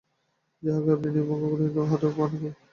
যাহাকে আপনি নিয়ম-ভঙ্গ বলেন, উহা তো অন্য এক প্রকারে নিয়মপালন মাত্র।